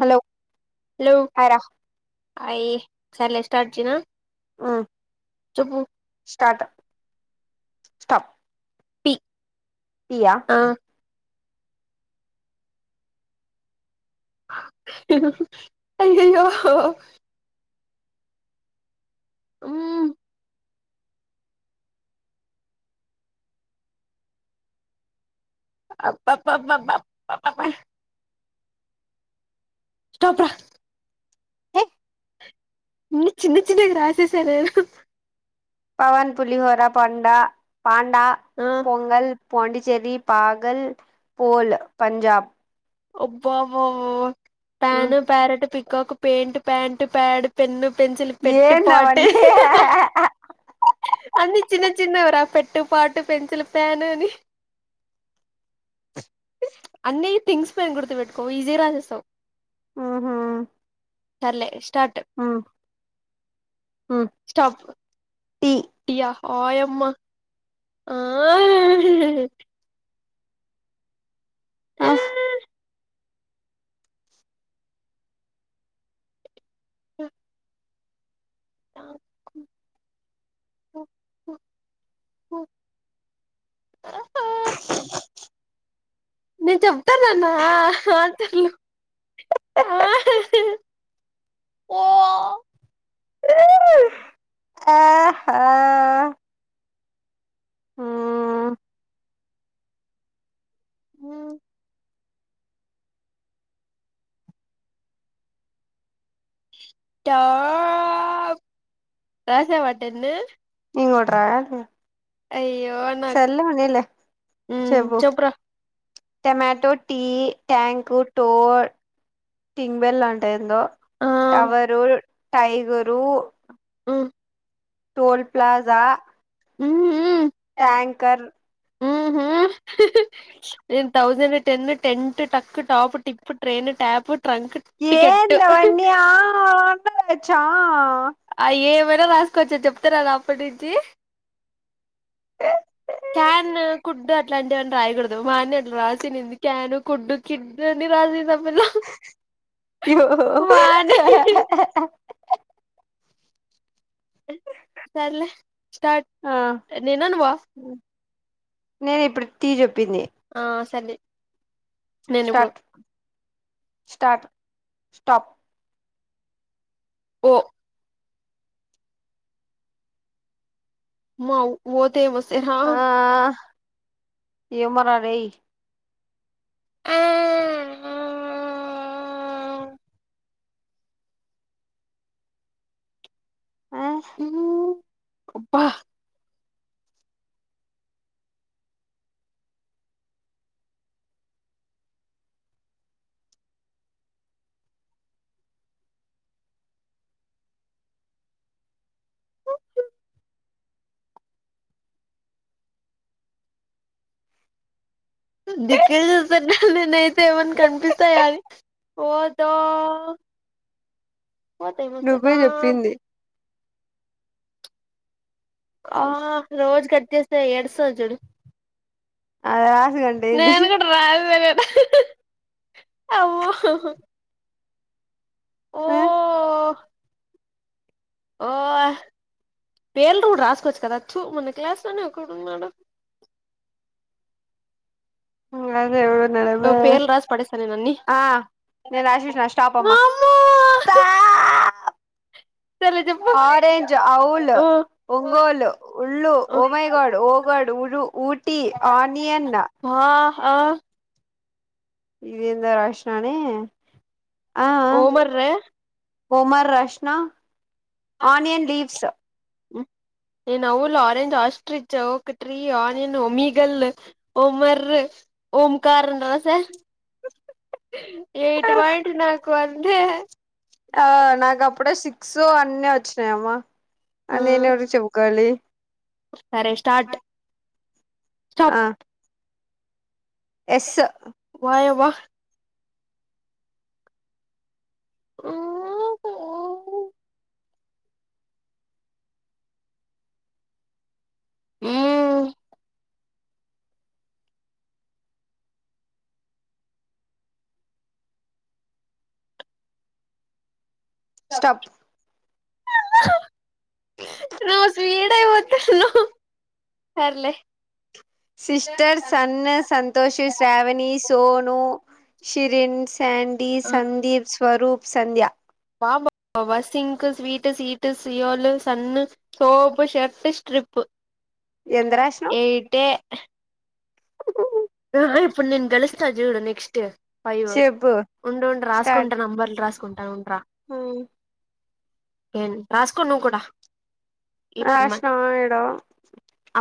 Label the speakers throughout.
Speaker 1: Hello
Speaker 2: hello
Speaker 1: hi రా
Speaker 2: అ ఇ సర్లే స్టార్ట్ చేయనా
Speaker 1: మ్మ్
Speaker 2: చెప్పు
Speaker 1: స్టప్
Speaker 2: పి
Speaker 1: పియా
Speaker 2: ఆ అయ్యయ్యో ఉమ్ అబ్బబ్బబాబ స్టాప్ రా
Speaker 1: హే
Speaker 2: ఇ చిన్న చిన్నగా రాసేసారే
Speaker 1: పవన్ పులిహోరా పాండా పాండా
Speaker 2: ఆ
Speaker 1: పొంగల్ పోండి చేరి పాగల్ పోల్ పంజాబ్
Speaker 2: అబ్బా వ వ
Speaker 1: మ్మ్
Speaker 2: టాన్ parrot peacock paint pant pad pen pencil పెట్టి పాట్
Speaker 1: ఏందవన్నీ
Speaker 2: అన్ని చిన్న చిన్నవి రా పెట్టు పాట్ పెన్సిల్ పాన్ అని అన్ని థింగ్స్ పైన గుర్తు పెట్టుకో ఈజీగా రాసేస్తావు
Speaker 1: ఆహా
Speaker 2: సరేలే స్టార్ట్
Speaker 1: మ్మ్
Speaker 2: స్టాప్
Speaker 1: టీ
Speaker 2: టియ ఆయమ్మా ఆ హ
Speaker 1: ఆ
Speaker 2: ఎ నేను చెప్తానన్నా ఆ తర్లు ఆ ఓ
Speaker 1: ఒ ఆహా ఆ
Speaker 2: ఆ టప్ రాసవాటేన్ను
Speaker 1: ఇవి కూడా ర
Speaker 2: అయ్యో నాకు
Speaker 1: సర్లే ఉనిలే
Speaker 2: ఉమ్,
Speaker 1: చెప్పు
Speaker 2: చెప్పురా
Speaker 1: టమాటో టీ ట్యాంకు టో టింగ్బెల్ ఉంటా ఏందో
Speaker 2: ఆ,
Speaker 1: టవరు టైగరు
Speaker 2: ఉమ్.
Speaker 1: టోల్ ప్లాజా
Speaker 2: ఉమ్మ్.
Speaker 1: ట్యాంకర్
Speaker 2: నిను thousand ten tent tuck top tip train tap trunk ticket
Speaker 1: ఏందవన్నీ ఆ అందచ్చా
Speaker 2: దే రాసుకోచ్చా చెప్తాలేనా అప్పటి నుంచి
Speaker 1: త
Speaker 2: క్యాన్ కుడ్డు అట్లాంటివన్ని రాయకూడదు వాని అట్లా రాసింది క్యాన్ కుడ్డుకిిడ్ని రాసే ఆ పిల్ల
Speaker 1: అయ్యో
Speaker 2: వాణి సర్లే స్టార్ట్
Speaker 1: ఆ
Speaker 2: నినానువ్వ
Speaker 1: నేను ఇప్పుడు తీ చెప్పింది
Speaker 2: ఆ సంధి
Speaker 1: స్టాట్ స్టాట్ స్టాప్
Speaker 2: ఓ మౌ మోతేమొస్తఇ ఆ
Speaker 1: ఏమోరారేయ్
Speaker 2: ఆ
Speaker 1: ఆ
Speaker 2: అబ్బ దిక్కులు చూస్తన్న నేనయితే ఏమన్నా కనిపిస్తాయా అని ఓదో ఆ పోతే పోతే
Speaker 1: నువ్వే
Speaker 2: బామ్
Speaker 1: చెప్పింది
Speaker 2: ఆ రోజు కట్ చేస్తె ఏడుస్తాది చూడు
Speaker 1: అది రాసి గంటయింది
Speaker 2: నేను కూడా రాను అమ్మో ఓ
Speaker 1: ఆ
Speaker 2: ఓ పేర్లు కూడా రాసుకోవచ్చు కదా తే మన క్లాస్ లోనే ఒకడున్నాడు
Speaker 1: అదే ఎవడున్నడబ్బా
Speaker 2: పేర్లు రాసి పడేస్తా నేను అన్ని
Speaker 1: ఆ నేను రాశేషినా స్టాప్ అమ్మ
Speaker 2: వామ్మో
Speaker 1: స్టాప్
Speaker 2: స
Speaker 1: ఆరెంజ్ అవుల్ ఒంగోలు ఉళ్ళు ఓమైగాడ్ ఓ గాడ్ ఉరు ఊటీ ఆనియన్
Speaker 2: ఆ ఆ ఆ
Speaker 1: ఇది ఎందో రాసినాన
Speaker 2: ఓ మర్రా
Speaker 1: ఒ మర్ రస్నా ఆనియన్ లీవ్స్
Speaker 2: ఏను ఓవిల్ ఆరెంజ్ ఆస్ట్రిచ్ ఒకట్రీ ఆనియన్ ఒమేగల్ ఓ మర్రె ఓంకార అని రాసా ఎయిట్ మాయింట్ నాకు అంతే
Speaker 1: ఆ నాకు అప్పుడే సిక్స్ అవన్నీ వచ్చినాయమ్మా
Speaker 2: ఆ
Speaker 1: నేను ఎవరికి చెప్పుకోవాలి
Speaker 2: సరే స్టార్ట్ స్టాప్
Speaker 1: ఆ ఎస్
Speaker 2: అయావ్వ ఏటి [unintelligible] మ్మ్
Speaker 1: స్టాప్
Speaker 2: నువ్వు స్వీడు గా పోతన్నావు సర్లే
Speaker 1: సిస్టర్స్ సన్ సంతోషి శ్రావణి సోను షిరిన్స్ శాండీ, సందీప్, స్వరూప్, సంధ్య
Speaker 2: అమా sink sweet స్విట్ Seoul sun soap shirt strip
Speaker 1: ఎంత రాసినావ్
Speaker 2: ఏయిటే ఇప్పుడు నేను గెలుస్తా చూడు నెక్స్ట్ ఫైవ్
Speaker 1: చెప్పు
Speaker 2: ఉండు ఉండు రాసుకుంటా నంబర్లు రాసుకుంటా
Speaker 1: ఉను
Speaker 2: ఏం రాసుకో నువ్వు కూడా ఇప్పుడు
Speaker 1: రాసిన ఇడ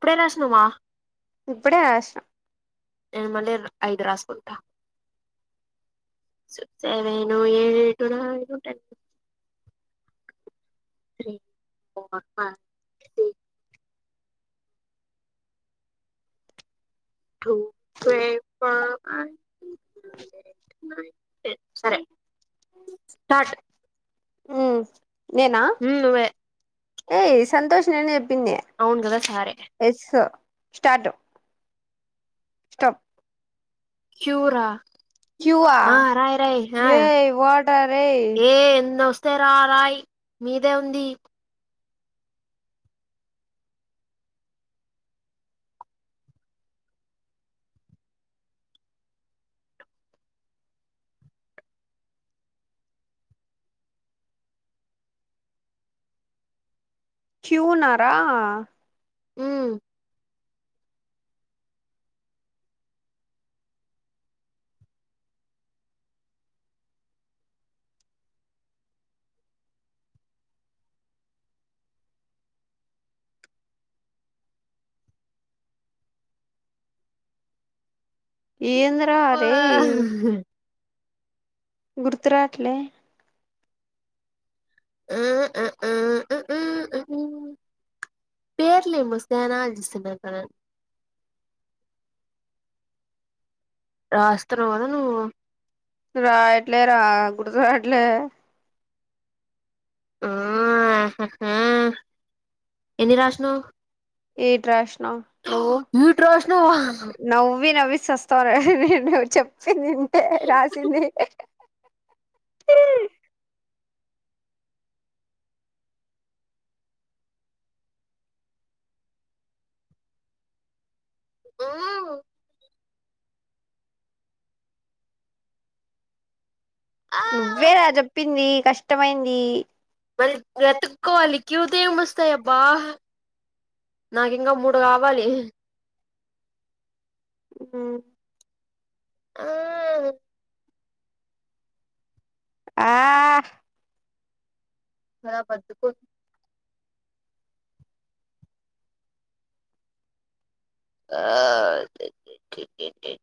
Speaker 2: అప్పుడే రాసినావ
Speaker 1: ఇప్పుడే రాసిన
Speaker 2: నిను మళ్ళీ అయిదు రాసుకుంటా సెవెను ఎయిట్ వారుకుంటాయి త్రీ ఫోర్ ఆ six two three four one two సరే కట్
Speaker 1: మ్మ్ నేనా
Speaker 2: నువ్వే
Speaker 1: ఏయ్ సంతోష్ నీనే తిన్యా
Speaker 2: అవును కదా సరే
Speaker 1: ఎస్ స్టార్ట్ స్టాప్
Speaker 2: చ్యూరా
Speaker 1: క్యూవా
Speaker 2: ఆ రాయ్ రాయ్ ఆ
Speaker 1: ఏయ్ వాట్ ఆర్ ఏ వాటా రే?
Speaker 2: ఏమ్మా తెరా ఆ రా రాయ్ మీదే ఉంది
Speaker 1: క్యూ ఉన్నార
Speaker 2: మ్మ్
Speaker 1: ఏంద్రా అరే గుర్తు రావట్లే
Speaker 2: ఆ ఆ ఊ ఊ రావట్లే [unintelligible] రాస్తాన్నవ్ కదా నువ్వు
Speaker 1: రాయట్లేరా గుర్తు రావట్లే
Speaker 2: ఆ ఎన్ని రాశినవ్
Speaker 1: ఎయిట్ రాశిన నువ్వు
Speaker 2: ఏట్ రాసినవా
Speaker 1: నవ్వి నవ్వి సస్తారే నువ్ చెప్పిందింటే రాసింది
Speaker 2: మ్
Speaker 1: నువ్వేరా చెప్పింది కష్టమైంది.
Speaker 2: మరి వెతుక్కోవాలి క్యూతో ఏం వస్తయబ్బా? నాకింకా మూడు కావాలి.
Speaker 1: మ్
Speaker 2: ఆ
Speaker 1: ఆ....
Speaker 2: నా బతుకు ఆ అ టి ట్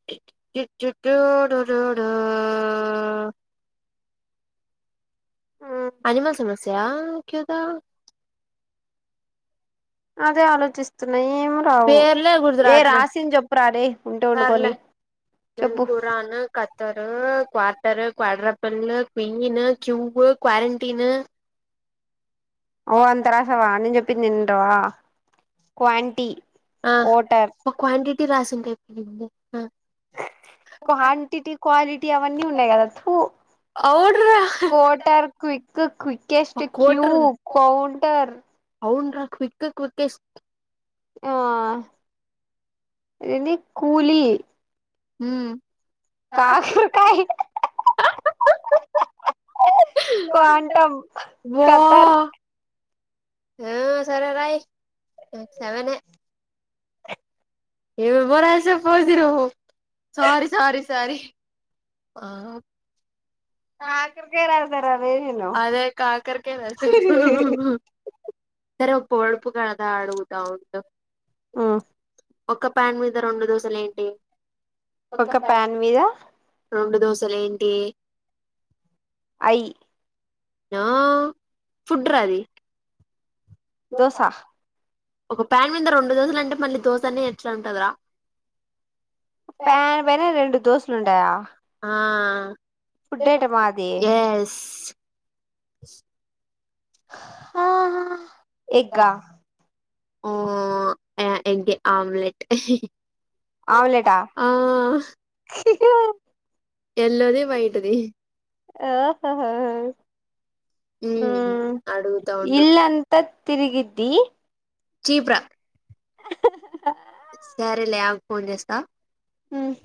Speaker 2: టి ట్ టు డు డు డూ అనిమల్ సమస్య క్యూదా
Speaker 1: అదే ఆలోచిస్తున్
Speaker 2: పేర్లే గుర్తు
Speaker 1: ఏ
Speaker 2: రావట్లే
Speaker 1: రాసింద్ చెప్పు రాదే ఉంటే ఉండుకోని
Speaker 2: నేన్ Quran, Qatar quarter, quadruple, queen, cube, quarantine
Speaker 1: ఓ అంత రాసావా నేన్ చెప్పింది ఇంటవా క్వాంటీ
Speaker 2: క్వాంటిటీ రాసిం [unintelligible]
Speaker 1: క్వాంటిటీ, క్వాలిటీ అవన్నీ ఉన్నయి కదా తూ
Speaker 2: అవునురా
Speaker 1: కోటర్, క్విక్,
Speaker 2: ఒక
Speaker 1: క్విికెస్ట్, క్యూ
Speaker 2: కోటర్
Speaker 1: కౌంటర్
Speaker 2: అవునురా క్విక్, క్వికెస్ట్
Speaker 1: ఆ ఇదేంది కూలీ
Speaker 2: మ్
Speaker 1: కాకర్ కాయ్ క్వాంటం,
Speaker 2: వా
Speaker 1: కతర్
Speaker 2: ఆ సరే రాయ్ సెవనే ఏమేమో రాసావ్ పోసి నువ్వు ఆ
Speaker 1: కాకర్ కాయ్ రా
Speaker 2: అదే కాకర్కాయ్ రాసి సరే ఒక పొడుపు కథ ఆడుగుతా ఉండు ఒక్క ప్యాన్ మీద రొండు దోశల్ ఏంటి?
Speaker 1: ఒక ప్యాన్ మీద
Speaker 2: రొండు దోశలేంటి?
Speaker 1: ఐ
Speaker 2: నో ఫుడ్రా అది
Speaker 1: దోసా
Speaker 2: ఒక ప్యాన్ మింద రొండు దోశలంటే మళ్ళీ దోశనే యెట్లుంటదిరా
Speaker 1: ప్యాన్ పైన రెండు దోశలుంటాయా
Speaker 2: ఆ
Speaker 1: అది
Speaker 2: ఎస్.
Speaker 1: అహా ఎగ్గా
Speaker 2: ఆ ఎ ఎంటి ఆమ్లెట్
Speaker 1: ఆమ్లేటా..
Speaker 2: ఆ
Speaker 1: చీకెన్
Speaker 2: ఎల్లోది వైట్ అది ఉమ్
Speaker 1: హ్మ్
Speaker 2: అడుగుతా ఉండు
Speaker 1: ఇల్లంత తిరిగిద్దీ
Speaker 2: చిబ్రా సరేలే ఆగు ఫోన్ చేస్తా
Speaker 1: హ్మ్